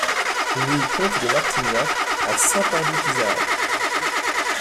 Rue Comte de Martignac à Saint-Pardoux-Isaac